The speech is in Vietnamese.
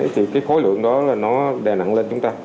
thì cái khối lượng đó là nó đè nặng lên chúng ta